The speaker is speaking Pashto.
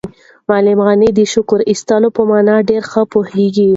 معلم غني د شکر ایستلو په مانا ډېر ښه پوهېده.